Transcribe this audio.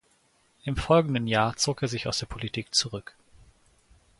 Im folgenden Jahr zog er sich aus der Politik zurück.